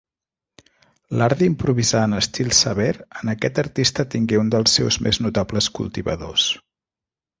L'art d'improvisar en estil sever en aquest artista tingué un dels seus més notables cultivadors.